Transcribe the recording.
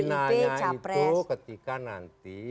finalnya itu ketika nanti